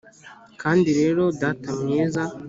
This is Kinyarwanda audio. kandi rero, data mwiza,